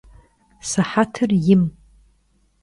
Sıhetır yim.